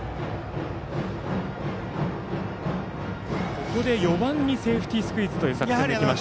ここで４番のセーフティースクイズという形できました。